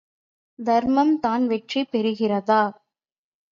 தர்மம் தான் வெற்றி பெறுகிறதா?